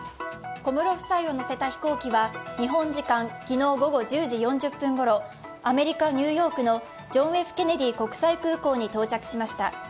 小室夫妻を乗せた飛行機は昨日午後１０時４０分ごろアメリカ・ニューヨークのジョン・Ｆ・ケネディ国際空港に到着しました。